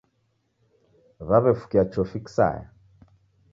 W'aw'efukia chofi kisaya